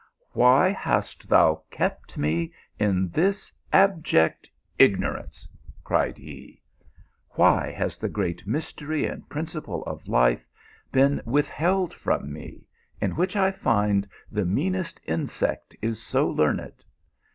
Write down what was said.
"Why hast thou kept me in this abject ignorance f" cried he. "Why has the great mys tery and principle of life been withheld from me, in xviuch I find the meanest insect is so learned